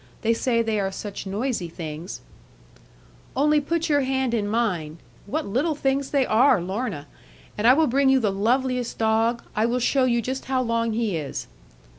They say they are such noisy things ' 'Only put your hand in mine what little things they are, Lorna! And I will bring you the loveliest dog; I will show you just how long he is.'